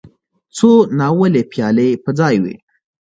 څو ناولې پيالې په ځای وې.